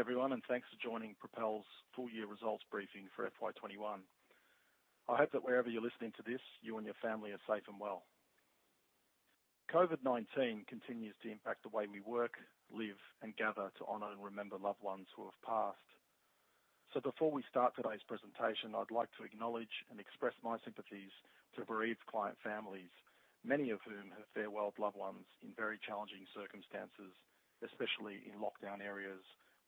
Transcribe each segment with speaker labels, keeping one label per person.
Speaker 1: Morning everyone, thanks for joining Propel's full year results briefing for FY 2021. I hope that wherever you're listening to this, you and your family are safe and well. COVID-19 continues to impact the way we work, live, and gather to honor and remember loved ones who have passed. Before we start today's presentation, I'd like to acknowledge and express my sympathies to bereaved client families, many of whom have farewelled loved ones in very challenging circumstances, especially in lockdown areas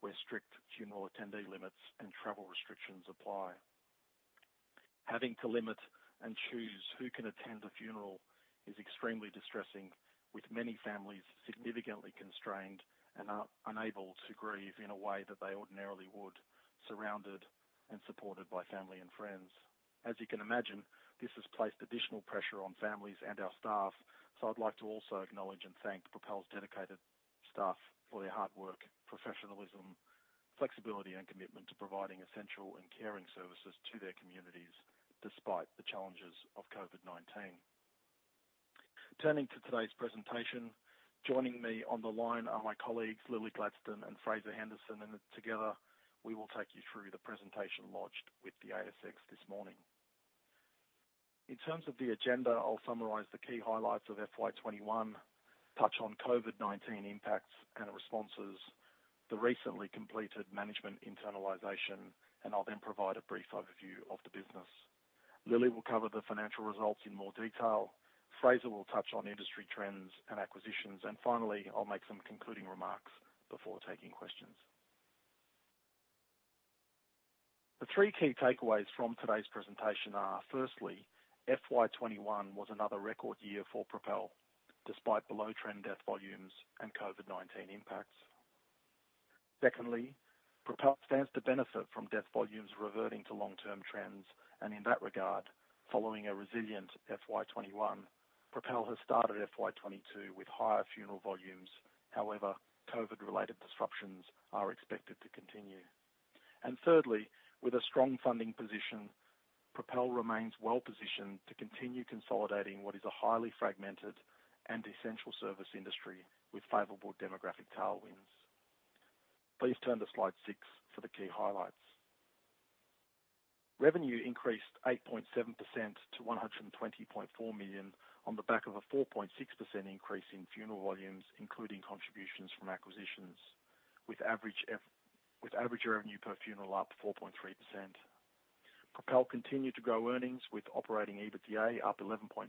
Speaker 1: where strict funeral attendee limits and travel restrictions apply. Having to limit and choose who can attend a funeral is extremely distressing, with many families significantly constrained and are unable to grieve in a way that they ordinarily would, surrounded and supported by family and friends. As you can imagine, this has placed additional pressure on families and our staff. I'd like to also acknowledge and thank Propel's dedicated staff for their hard work, professionalism, flexibility, and commitment to providing essential and caring services to their communities, despite the challenges of COVID-19. Turning to today's presentation, joining me on the line are my colleagues, Lilli Gladstone and Fraser Henderson, and together we will take you through the presentation lodged with the ASX this morning. In terms of the agenda, I'll summarize the key highlights of FY21, touch on COVID-19 impacts and responses, the recently completed management internalization, and I'll then provide a brief overview of the business. Lilli will cover the financial results in more detail. Fraser will touch on industry trends and acquisitions. Finally, I'll make some concluding remarks before taking questions. The three key takeaways from today's presentation are, firstly, FY21 was another record year for Propel despite below-trend death volumes and COVID-19 impacts. Secondly, Propel stands to benefit from death volumes reverting to long-term trends. In that regard, following a resilient FY 2021, Propel has started FY 2022 with higher funeral volumes. However, COVID-related disruptions are expected to continue. Thirdly, with a strong funding position, Propel remains well-positioned to continue consolidating what is a highly fragmented and essential service industry with favorable demographic tailwinds. Please turn to slide six for the key highlights. Revenue increased 8.7% to 120.4 million on the back of a 4.6% increase in funeral volumes, including contributions from acquisitions, with average revenue per funeral up 4.3%. Propel continued to grow earnings with operating EBITDA up 11.9%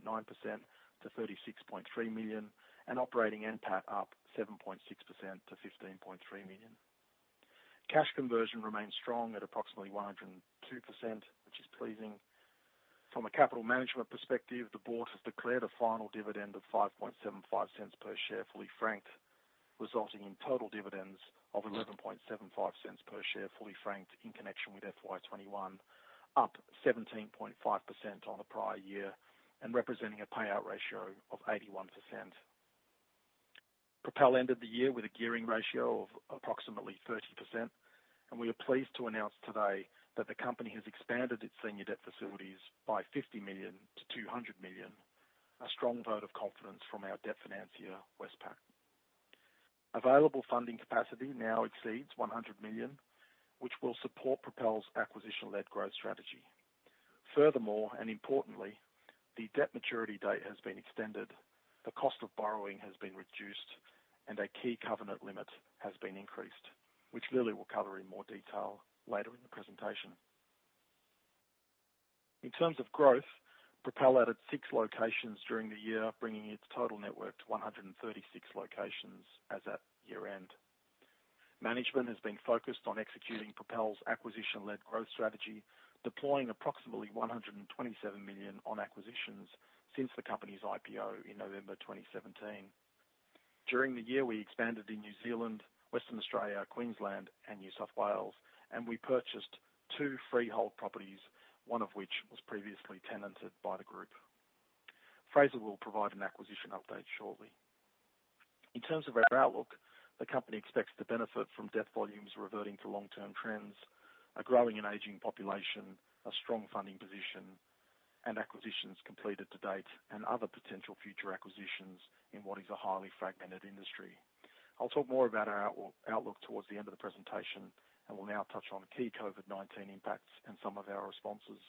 Speaker 1: to 36.3 million and operating NPAT up 7.6% to 15.3 million. Cash conversion remains strong at approximately 102%, which is pleasing. From a capital management perspective, the board has declared a final dividend of 0.0575 per share, fully franked, resulting in total dividends of 0.1175 per share, fully franked, in connection with FY 2021, up 17.5% on the prior year and representing a payout ratio of 81%. Propel ended the year with a gearing ratio of approximately 30%. We are pleased to announce today that the company has expanded its senior debt facilities by 50 million-200 million. A strong vote of confidence from our debt financier, Westpac. Available funding capacity now exceeds 100 million, which will support Propel's acquisition-led growth strategy. Furthermore, and importantly, the debt maturity date has been extended, the cost of borrowing has been reduced, and a key covenant limit has been increased, which Lilli will cover in more detail later in the presentation. In terms of growth, Propel added six locations during the year, bringing its total network to 136 locations as at year-end. Management has been focused on executing Propel's acquisition-led growth strategy, deploying approximately 127 million on acquisitions since the company's IPO in November 2017. During the year, we expanded in New Zealand, Western Australia, Queensland, and New South Wales, and we purchased two freehold properties, one of which was previously tenanted by the group. Fraser will provide an acquisition update shortly. In terms of our outlook, the company expects to benefit from death volumes reverting to long-term trends, a growing and aging population, a strong funding position, and acquisitions completed to date, and other potential future acquisitions in what is a highly fragmented industry. I'll talk more about our outlook towards the end of the presentation, and will now touch on key COVID-19 impacts and some of our responses.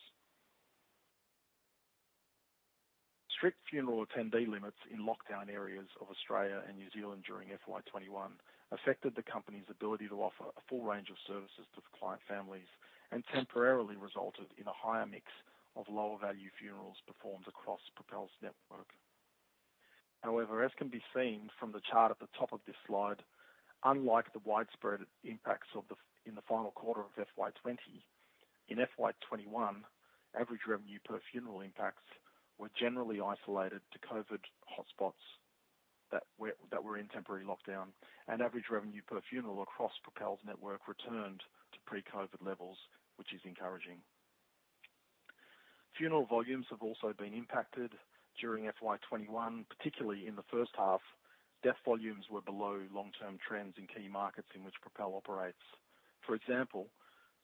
Speaker 1: Strict funeral attendee limits in lockdown areas of Australia and New Zealand during FY 2021 affected the company's ability to offer a full range of services to the client families and temporarily resulted in a higher mix of lower-value funerals performed across Propel's network. However, as can be seen from the chart at the top of this slide, unlike the widespread impacts in the final quarter of FY 2020, in FY 2021, average revenue per funeral impacts were generally isolated to COVID-19 hotspots that were in temporary lockdown. Average revenue per funeral across Propel's network returned to pre-COVID-19 levels, which is encouraging. Funeral volumes have also been impacted during FY 2021. Particularly in the first half, death volumes were below long-term trends in key markets in which Propel operates. For example,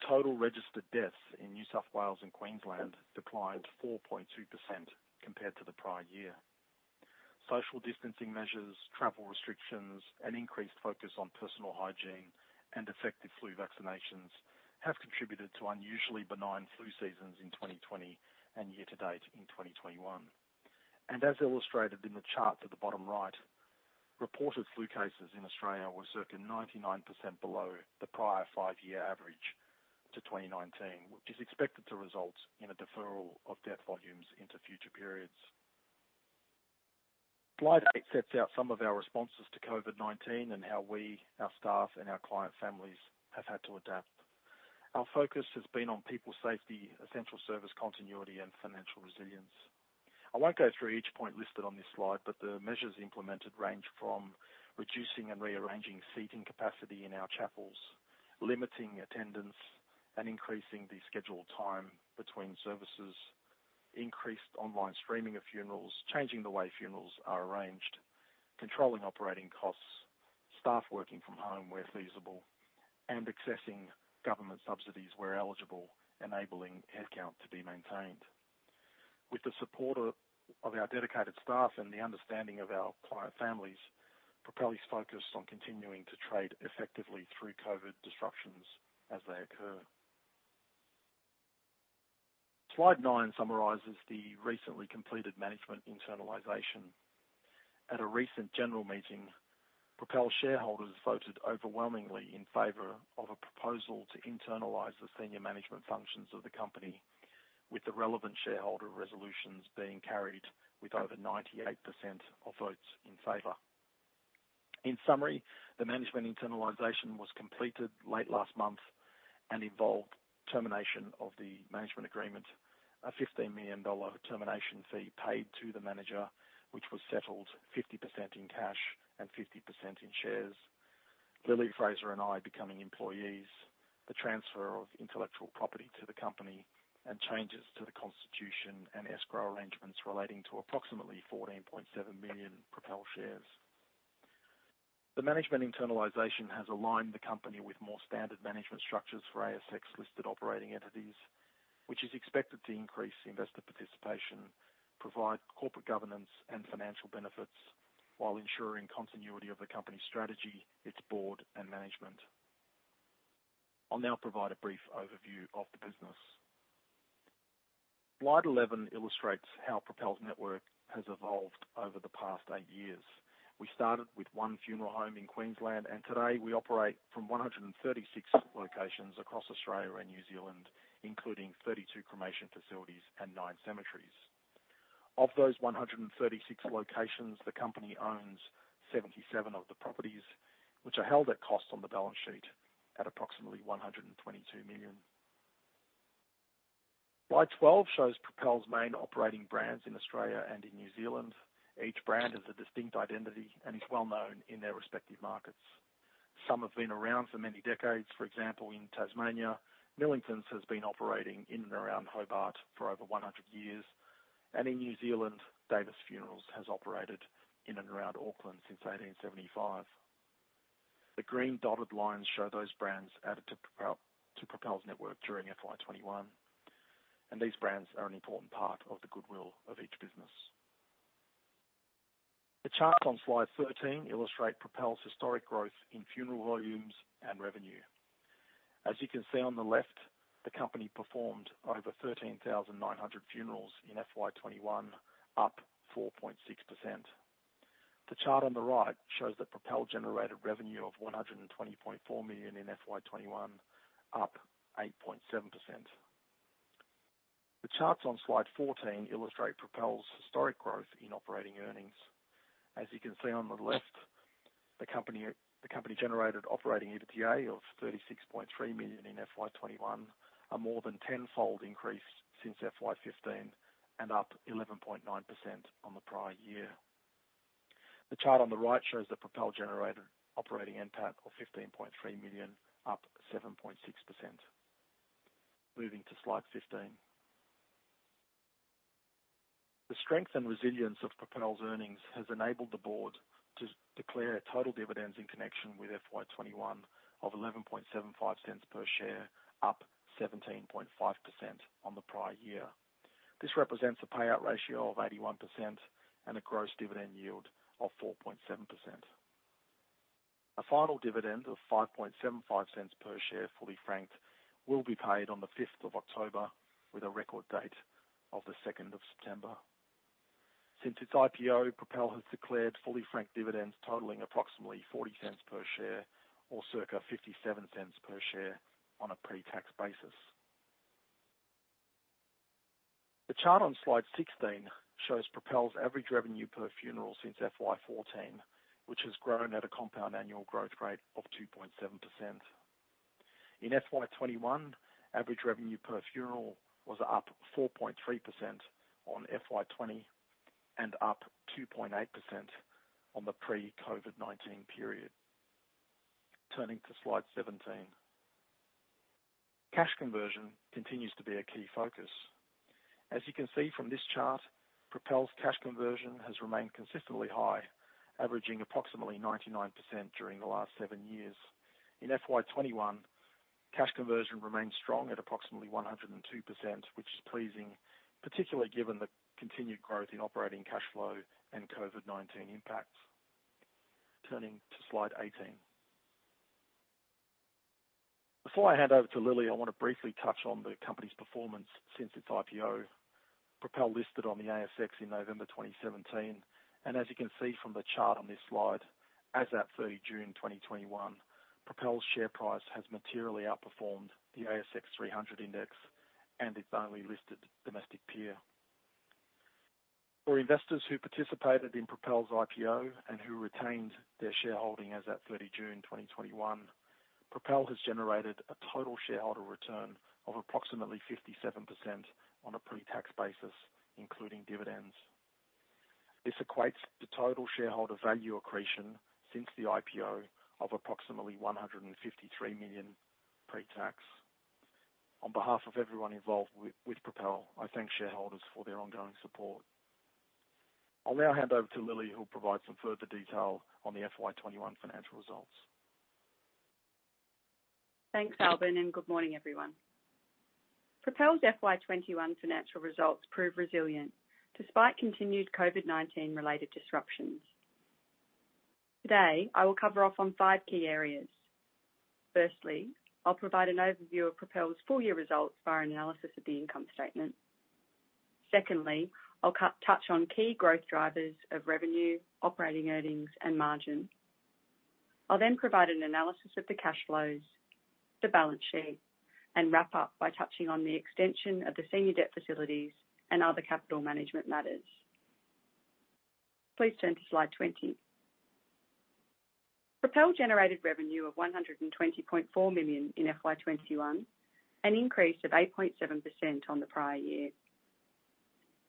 Speaker 1: total registered deaths in New South Wales and Queensland declined 4.2% compared to the prior year. Social distancing measures, travel restrictions, and increased focus on personal hygiene and effective flu vaccinations have contributed to unusually benign flu seasons in 2020 and year-to-date in 2021. As illustrated in the chart at the bottom right, reported flu cases in Australia were circa 99% below the prior Five-year average to 2019, which is expected to result in a deferral of death volumes into future periods. Slide eight sets out some of our responses to COVID-19 and how we, our staff, and our client families have had to adapt. Our focus has been on people safety, essential service continuity, and financial resilience. I won't go through each point listed on this slide, but the measures implemented range from reducing and rearranging seating capacity in our chapels, limiting attendance, and increasing the scheduled time between services, increased online streaming of funerals, changing the way funerals are arranged, controlling operating costs, staff working from home where feasible, and accessing government subsidies where eligible, enabling headcount to be maintained. With the support of our dedicated staff and the understanding of our client families, Propel is focused on continuing to trade effectively through COVID disruptions as they occur. Slide nine summarizes the recently completed management internalization. At a recent general meeting, Propel shareholders voted overwhelmingly in favor of a proposal to internalize the senior management functions of the company with the relevant shareholder resolutions being carried with over 98% of votes in favor. In summary, the management internalization was completed late last month and involved termination of the management agreement, a 15 million dollar termination fee paid to the manager, which was settled 50% in cash and 50% in shares. Lilli, Fraser and I becoming employees, the transfer of intellectual property to the company, and changes to the constitution and escrow arrangements relating to approximately 14.7 million Propel shares. The management internalization has aligned the company with more standard management structures for ASX-listed operating entities, which is expected to increase investor participation, provide corporate governance and financial benefits, while ensuring continuity of the company strategy, its board, and management. I will now provide a brief overview of the business. Slide 11 illustrates how Propel's network has evolved over the past eight years. We started with 1 funeral home in Queensland. Today we operate from 136 locations across Australia and New Zealand, including 32 cremation facilities and nine cemeteries. Of those 136 locations, the company owns 77 of the properties, which are held at cost on the balance sheet at approximately 122 million. Slide 12 shows Propel's main operating brands in Australia and in New Zealand. Each brand has a distinct identity and is well-known in their respective markets. Some have been around for many decades. For example, in Tasmania, Millingtons has been operating in and around Hobart for over 100 years. In New Zealand, Davis Funerals has operated in and around Auckland since 1875. The green dotted lines show those brands added to Propel's network during FY21. These brands are an important part of the goodwill of each business. The charts on slide 13 illustrate Propel's historic growth in funeral volumes and revenue. As you can see on the left, the company performed over 13,900 funerals in FY 2021, up 4.6%. The chart on the right shows that Propel generated revenue of 120.4 million in FY 2021, up 8.7%. The charts on slide 14 illustrate Propel's historic growth in operating earnings. As you can see on the left, the company generated operating EBITDA of 36.3 million in FY 2021, a more than tenfold increase since FY 2015, and up 11.9% on the prior year. The chart on the right shows that Propel generated operating NPAT of 15.3 million, up 7.6%. Moving to slide 15. The strength and resilience of Propel's earnings has enabled the board to declare a total dividend in connection with FY 2021 of 0.1175 per share, up 17.5% on the prior year. This represents a payout ratio of 81% and a gross dividend yield of 4.7%. A final dividend of 0.0575 per share, fully franked, will be paid on the October 5th, with a record date of the September 2nd. Since its IPO, Propel has declared fully franked dividends totaling approximately 0.40 per share or circa 0.57 per share on a pre-tax basis. The chart on slide 16 shows Propel's average revenue per funeral since FY14, which has grown at a compound annual growth rate of 2.7%. In FY21, average revenue per funeral was up 4.3% on FY20 and up 2.8% on the pre-COVID-19 period. Turning to slide 17. Cash conversion continues to be a key focus. As you can see from this chart, Propel's cash conversion has remained consistently high, averaging approximately 99% during the last seven years. In FY 2021, cash conversion remains strong at approximately 102%, which is pleasing, particularly given the continued growth in operating cash flow and COVID-19 impacts. Turning to slide 18. Before I hand over to Lilli, I want to briefly touch on the company's performance since its IPO. Propel listed on the ASX in November 2017. As you can see from the chart on this slide, as at June 30th, 2021, Propel's share price has materially outperformed the ASX 300 index and its only listed domestic peer. For investors who participated in Propel's IPO and who retained their shareholding as at June 30th, 2021, Propel has generated a total shareholder return of approximately 57% on a pre-tax basis, including dividends. This equates the total shareholder value accretion since the IPO of approximately 153 million pre-tax. On behalf of everyone involved with Propel, I thank shareholders for their ongoing support. I'll now hand over to Lilli, who'll provide some further detail on the FY 2021 financial results.
Speaker 2: Thanks, Albin, and good morning, everyone. Propel's FY21 financial results prove resilient despite continued COVID-19 related disruptions. Today, I will cover off on five key areas. Firstly, I'll provide an overview of Propel's full-year results via an analysis of the income statement. Secondly, I'll touch on key growth drivers of revenue, operating earnings, and margin. I'll provide an analysis of the cash flows, the balance sheet, and wrap up by touching on the extension of the senior debt facilities and other capital management matters. Please turn to slide 20. Propel generated revenue of 120.4 million in FY21, an increase of 8.7% on the prior year.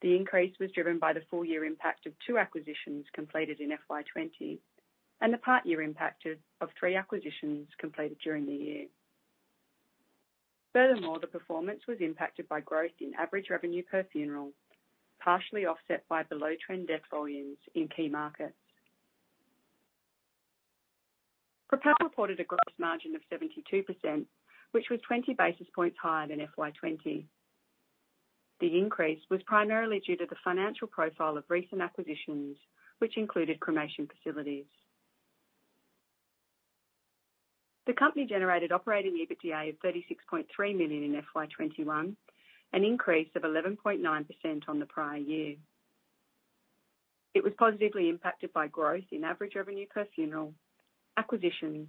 Speaker 2: The increase was driven by the full-year impact of two acquisitions completed in FY20 and the part-year impact of three acquisitions completed during the year. Furthermore, the performance was impacted by growth in average revenue per funeral, partially offset by below-trend death volumes in key markets. Propel reported a gross margin of 72%, which was 20 basis points higher than FY20. The increase was primarily due to the financial profile of recent acquisitions, which included cremation facilities. The company generated operating EBITDA of 36.3 million in FY21, an increase of 11.9% on the prior year. It was positively impacted by growth in average revenue per funeral, acquisitions,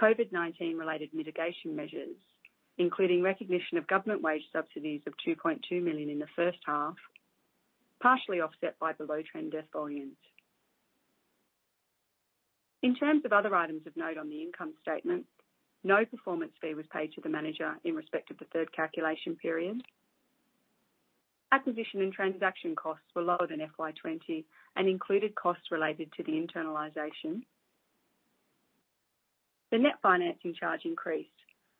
Speaker 2: COVID-19 related mitigation measures, including recognition of government wage subsidies of 2.2 million in the first half, partially offset by below-trend death volumes. In terms of other items of note on the income statement, no performance fee was paid to the manager in respect of the third calculation period. Acquisition and transaction costs were lower than FY20 and included costs related to the internalization. The net financing charge increased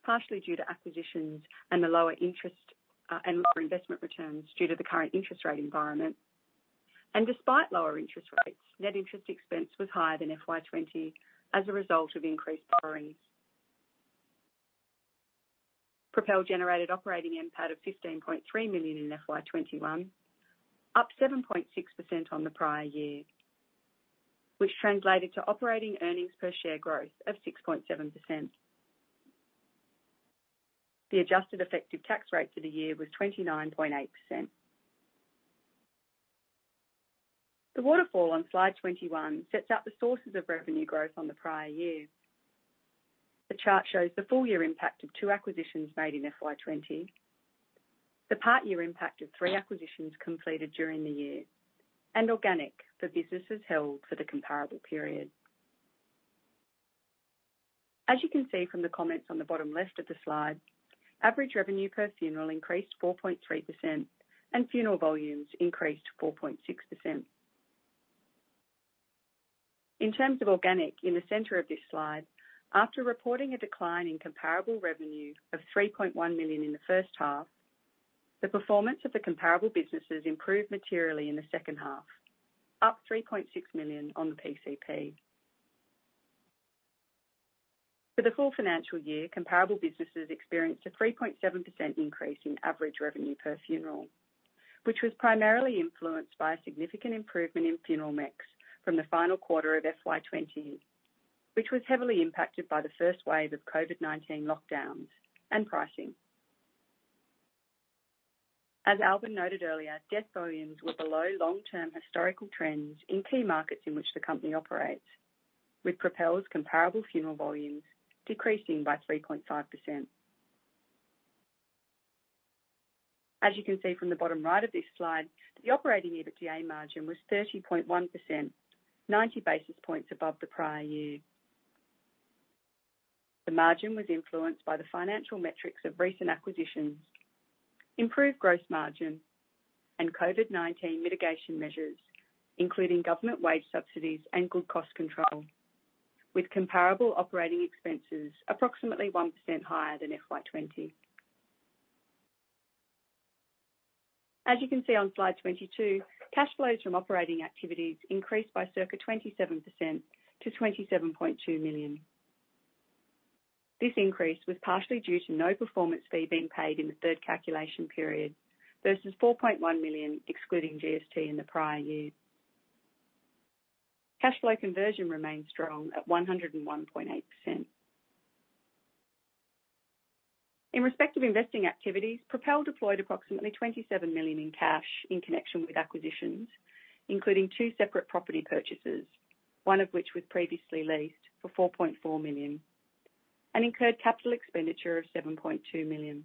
Speaker 2: partially due to acquisitions and the lower investment returns due to the current interest rate environment. Despite lower interest rates, net interest expense was higher than FY 2020 as a result of increased borrowings. Propel generated operating NPAT of 15.3 million in FY 2021, up 7.6% on the prior year, which translated to operating earnings per share growth of 6.7%. The adjusted effective tax rate for the year was 29.8%. The waterfall on slide 21 sets out the sources of revenue growth on the prior year. The chart shows the full-year impact of two acquisitions made in FY 2020, the part-year impact of three acquisitions completed during the year, and organic for businesses held for the comparable period. As you can see from the comments on the bottom left of the slide, average revenue per funeral increased 4.3% and funeral volumes increased 4.6%. In terms of organic, in the center of this slide, after reporting a decline in comparable revenue of 3.1 million in the first half, the performance of the comparable businesses improved materially in the second half, up 3.6 million on the PCP. For the full financial year, comparable businesses experienced a 3.7% increase in average revenue per funeral, which was primarily influenced by a significant improvement in funeral mix from the final quarter of FY20, which was heavily impacted by the first wave of COVID-19 lockdowns and pricing. As Albin noted earlier, death volumes were below long-term historical trends in key markets in which the company operates, with Propel's comparable funeral volumes decreasing by 3.5%. As you can see from the bottom right of this slide, the operating EBITDA margin was 30.1%, 90 basis points above the prior year. The margin was influenced by the financial metrics of recent acquisitions, improved gross margin, and COVID-19 mitigation measures, including government wage subsidies and good cost control, with comparable operating expenses approximately 1% higher than FY20. As you can see on slide 22, cash flows from operating activities increased by circa 27% to 27.2 million. This increase was partially due to no performance fee being paid in the third calculation period versus 4.1 million excluding GST in the prior year. Cash flow conversion remains strong at 101.8%. In respect of investing activities, Propel deployed approximately 27 million in cash in connection with acquisitions, including two separate property purchases, one of which was previously leased for 4.4 million, and incurred capital expenditure of 7.2 million.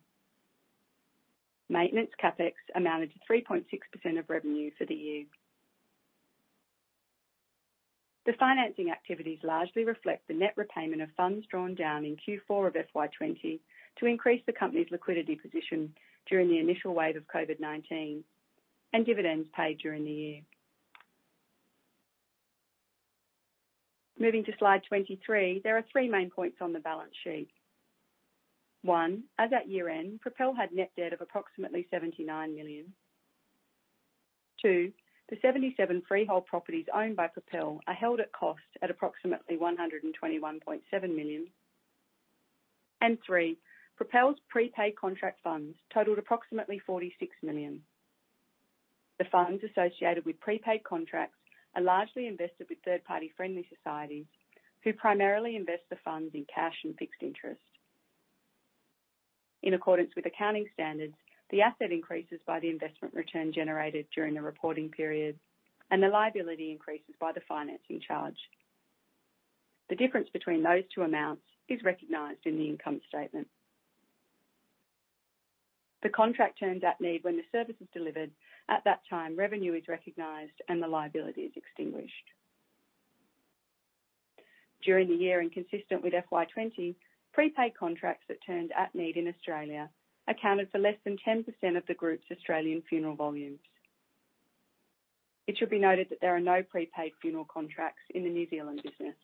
Speaker 2: Maintenance CapEx amounted to 3.6% of revenue for the year. The financing activities largely reflect the net repayment of funds drawn down in Q4 of FY20 to increase the company's liquidity position during the initial wave of COVID-19 and dividends paid during the year. Moving to slide 23, there are three main points on the balance sheet. One, as at year-end, Propel had net debt of approximately 79 million. Two, the 77 freehold properties owned by Propel are held at cost at approximately 121.7 million. Three, Propel's prepaid contract funds totaled approximately 46 million. The funds associated with prepaid contracts are largely invested with third-party friendly societies, who primarily invest the funds in cash and fixed interest. In accordance with accounting standards, the asset increases by the investment return generated during the reporting period, and the liability increases by the financing charge. The difference between those two amounts is recognized in the income statement. The contract turns at need when the service is delivered. At that time, revenue is recognized, and the liability is extinguished. During the year, and consistent with FY 2020, prepaid contracts that turned at need in Australia accounted for less than 10% of the group's Australian funeral volumes. It should be noted that there are no prepaid funeral contracts in the New Zealand business.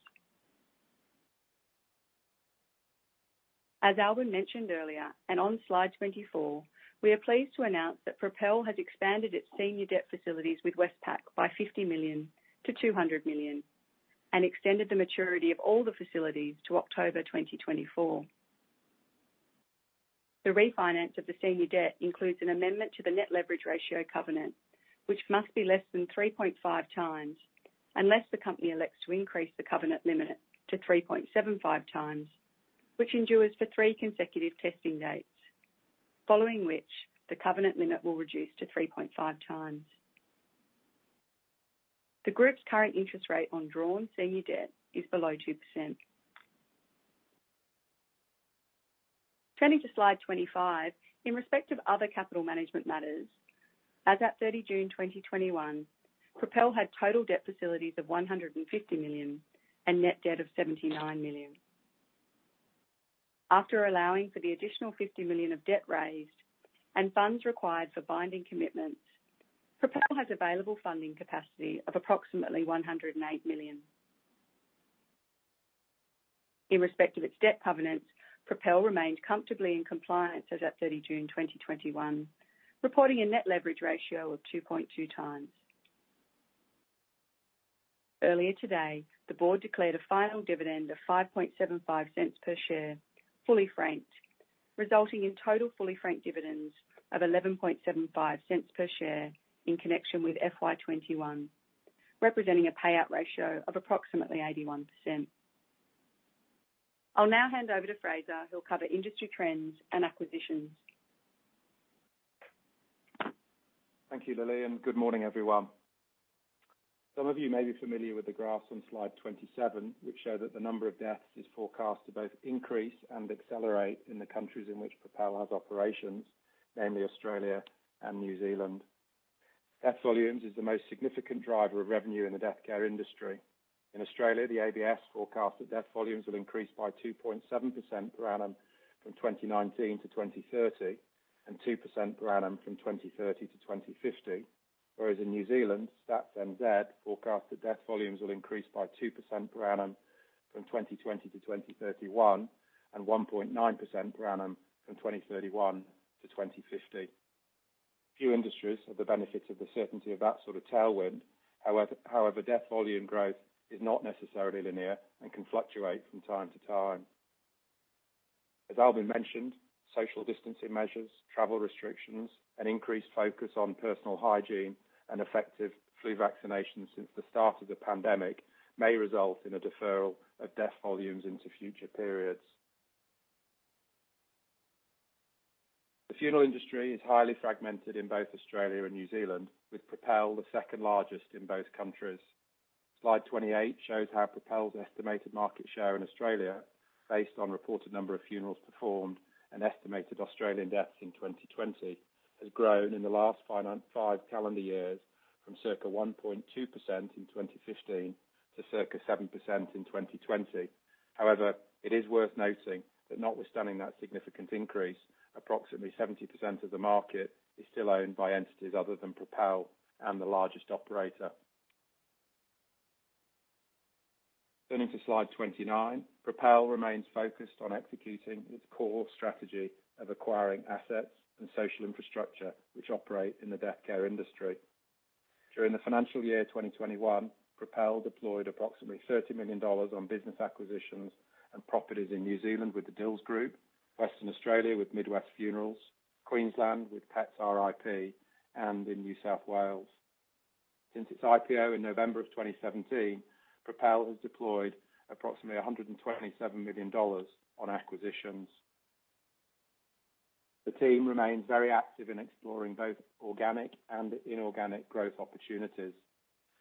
Speaker 2: As Albin mentioned earlier, and on slide 24, we are pleased to announce that Propel has expanded its senior debt facilities with Westpac by 50 million to 200 million, and extended the maturity of all the facilities to October 2024. The refinance of the senior debt includes an amendment to the net leverage ratio covenant, which must be less than 3.5 times, unless the company elects to increase the covenant limit to 3.75 times, which endures for three consecutive testing dates, following which the covenant limit will reduce to 3.5 times. The group's current interest rate on drawn senior debt is below 2%. Turning to slide 25, in respect of other capital management matters, as at June 30th, 2021, Propel had total debt facilities of 150 million and net debt of 79 million. After allowing for the additional 50 million of debt raised and funds required for binding commitments, Propel has available funding capacity of approximately 108 million. In respect of its debt covenants, Propel remains comfortably in compliance as at June 30th, 2021, reporting a net leverage ratio of 2.2 times. Earlier today, the board declared a final dividend of 0.0575 per share, fully franked, resulting in total fully franked dividends of 0.1175 per share in connection with FY21, representing a payout ratio of approximately 81%. I'll now hand over to Fraser, who'll cover industry trends and acquisitions.
Speaker 3: Thank you, Lilli. Good morning, everyone. Some of you may be familiar with the graphs on slide 27, which show that the number of deaths is forecast to both increase and accelerate in the countries in which Propel has operations, namely Australia and New Zealand. Death volumes is the most significant driver of revenue in the death care industry. In Australia, the ABS forecast that death volumes will increase by 2.7% per annum from 2019-2030, and 2% per annum from 2030-2050, whereas in New Zealand, Stats NZ forecast that death volumes will increase by 2% per annum from 2020-2031, and 1.9% per annum from 2031-2050. Few industries have the benefit of the certainty of that sort of tailwind. However, death volume growth is not necessarily linear and can fluctuate from time to time. As Albin mentioned, social distancing measures, travel restrictions, an increased focus on personal hygiene, and effective flu vaccinations since the start of the pandemic may result in a deferral of death volumes into future periods. The funeral industry is highly fragmented in both Australia and New Zealand, with Propel the second largest in both countries. Slide 28 shows how Propel's estimated market share in Australia, based on reported number of funerals performed and estimated Australian deaths in 2020, has grown in the last five calendar years from circa 1.2% in 2015 to circa 7% in 2020. However, it is worth noting that notwithstanding that significant increase, approximately 70% of the market is still owned by entities other than Propel and the largest operator. Into Slide 29. Propel remains focused on executing its core strategy of acquiring assets and social infrastructure, which operate in the death care industry. During the financial year 2021, Propel deployed approximately 30 million dollars on business acquisitions and properties in New Zealand with the Dils Group, Western Australia with Mid West Funerals, Queensland with Pets R.I.P, and in New South Wales. Since its IPO in November of 2017, Propel has deployed approximately 127 million dollars on acquisitions. The team remains very active in exploring both organic and inorganic growth opportunities.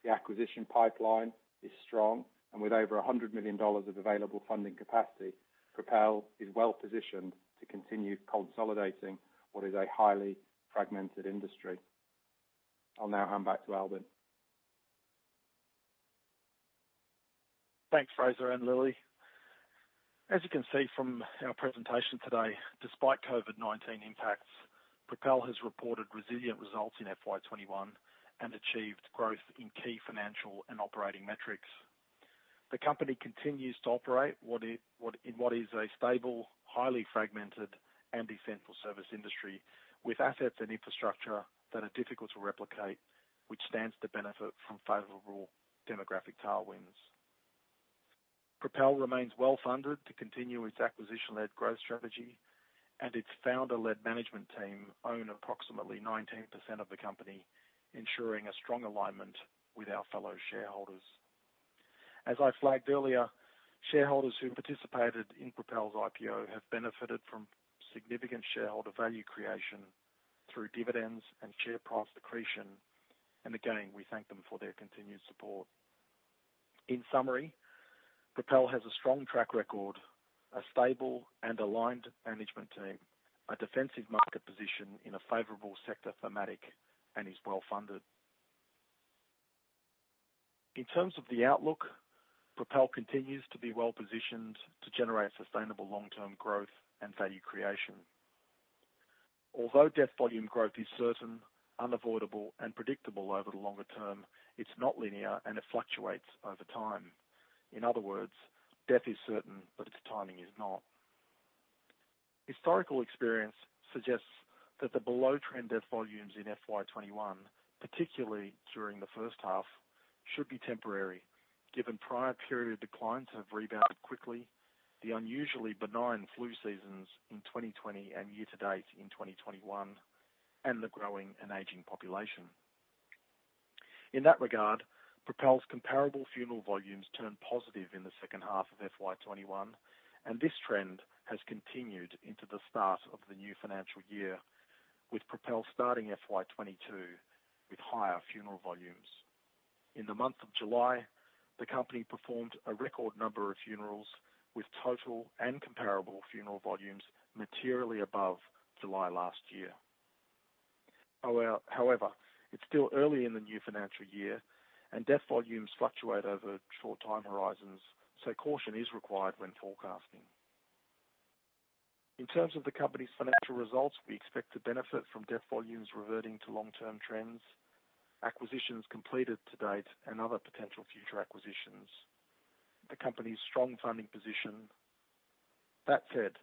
Speaker 3: The acquisition pipeline is strong, and with over 100 million dollars of available funding capacity, Propel is well-positioned to continue consolidating what is a highly fragmented industry. I'll now hand back to Albin.
Speaker 1: Thanks, Fraser and Lilli. As you can see from our presentation today, despite COVID-19 impacts, Propel has reported resilient results in FY 2021 and achieved growth in key financial and operating metrics. The company continues to operate in what is a stable, highly fragmented and essential service industry, with assets and infrastructure that are difficult to replicate, which stands to benefit from favorable demographic tailwinds. Propel remains well-funded to continue its acquisition-led growth strategy, and its founder-led management team own approximately 19% of the company, ensuring a strong alignment with our fellow shareholders. As I flagged earlier, shareholders who participated in Propel's IPO have benefited from significant shareholder value creation through dividends and share price accretion, and again, we thank them for their continued support. In summary, Propel has a strong track record, a stable and aligned management team, a defensive market position in a favorable sector thematic, and is well-funded. In terms of the outlook, Propel continues to be well-positioned to generate sustainable long-term growth and value creation. Although death volume growth is certain, unavoidable, and predictable over the longer term, it's not linear, and it fluctuates over time. In other words, death is certain, but its timing is not. Historical experience suggests that the below-trend death volumes in FY21, particularly during the first half, should be temporary, given prior period declines have rebounded quickly, the unusually benign flu seasons in 2020 and year to date in 2021, and the growing and aging population. In that regard, Propel's comparable funeral volumes turned positive in the second half of FY21, and this trend has continued into the start of the new financial year, with Propel starting FY22 with higher funeral volumes. In the month of July, the company performed a record number of funerals, with total and comparable funeral volumes materially above July last year. It's still early in the new financial year, and death volumes fluctuate over short time horizons, so caution is required when forecasting. In terms of the company's financial results, we expect to benefit from death volumes reverting to long-term trends, acquisitions completed to date, and other potential future acquisitions, the company's strong funding position. That said,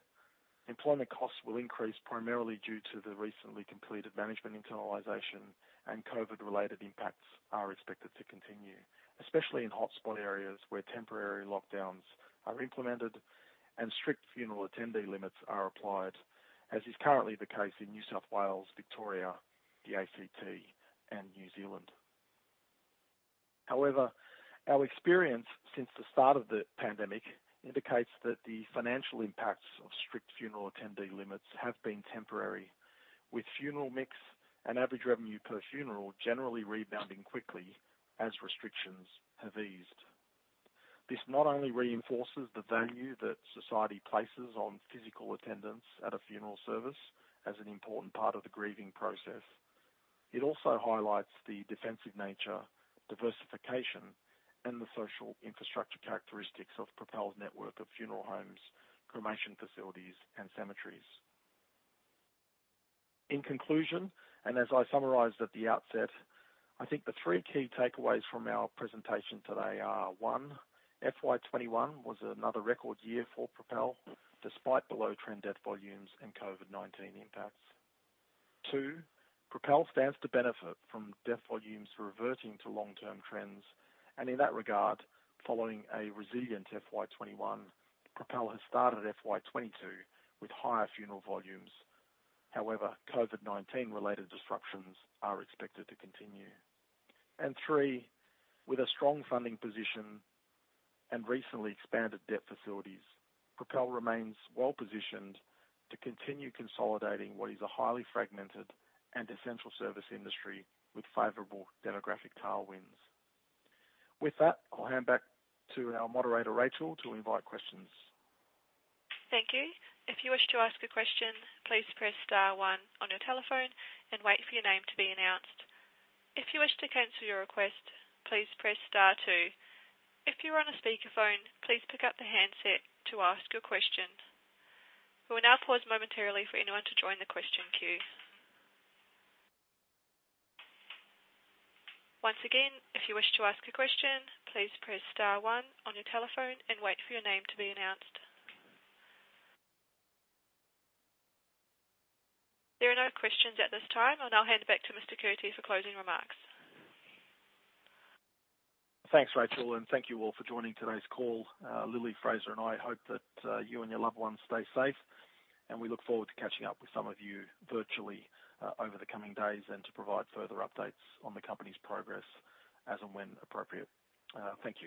Speaker 1: employment costs will increase primarily due to the recently completed management internalization and COVID-related impacts are expected to continue, especially in hotspot areas where temporary lockdowns are implemented and strict funeral attendee limits are applied, as is currently the case in New South Wales, Victoria, the ACT, and New Zealand. Our experience since the start of the pandemic indicates that the financial impacts of strict funeral attendee limits have been temporary, with funeral mix and average revenue per funeral generally rebounding quickly as restrictions have eased. This not only reinforces the value that society places on physical attendance at a funeral service as an important part of the grieving process, it also highlights the defensive nature, diversification, and the social infrastructure characteristics of Propel's network of funeral homes, cremation facilities, and cemeteries. In conclusion, and as I summarized at the outset, I think the three key takeaways from our presentation today are, one, FY 2021 was another record year for Propel, despite below-trend death volumes and COVID-19 impacts. Two, Propel stands to benefit from death volumes reverting to long-term trends, and in that regard, following a resilient FY 2021, Propel has started FY 2022 with higher funeral volumes. However, COVID-19-related disruptions are expected to continue. three, with a strong funding position and recently expanded debt facilities, Propel remains well-positioned to continue consolidating what is a highly fragmented and essential service industry with favorable demographic tailwinds. With that, I'll hand back to our moderator, Rachel, to invite questions.
Speaker 4: Thank you. If you wish to ask a question, please press star one on your telephone and wait for your name to be announced. If you wish to cancel your request, please press star two. If you're on a speakerphone, please pick up the handset to ask a question. We will now pause momentarily for anyone to join the question queue. Once again, if you wish to ask a question, please press star one on your telephone and wait for your name to be announced. There are no questions at this time. I'll now hand it back to Mr. Kurti for closing remarks.
Speaker 1: Thanks, Rachel. Thank you all for joining today's call. Lilli, Fraser, and I hope that you and your loved ones stay safe, and we look forward to catching up with some of you virtually over the coming days and to provide further updates on the company's progress as and when appropriate. Thank you.